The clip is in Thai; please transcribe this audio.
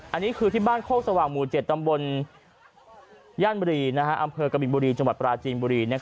อันนี้คือที่บ้านโคกสว่างหมู่๗ตำบลย่านบุรีอำเภอกบินบุรีจังหวัดปราจีนบุรี